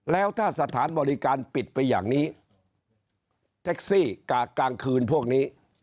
แล้วถ้าสถานบริการปิดไปอย่างนี้แท็กซี่กากกลางคืนพวกนี้